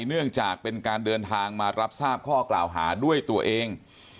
เนื่องจากเป็นการเดินทางมารับทราบข้อกล่าวหาด้วยตัวเอง